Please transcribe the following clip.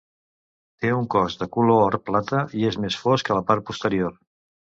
Té un cos de color or-plata, i és més fosc a la part posterior.